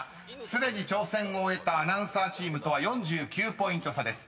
［すでに挑戦を終えたアナウンサーチームとは４９ポイント差です］